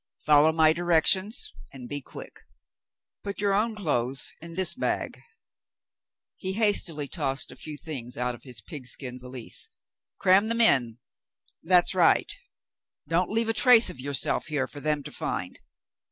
"Follow my directions, and be quick. Put your own clothes in this bag." He hastily tossed a few things out of his pigskin valise. " Cram them in ; that's right. Don't leave a trace of yourself here for them to find.